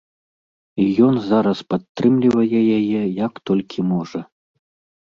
І ён зараз падтрымлівае яе, як толькі можа.